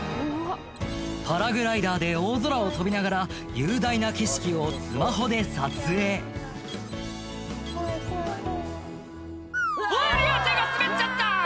パラグライダーで大空を飛びながら雄大な景色をスマホで撮影うわありゃ手が滑っちゃった！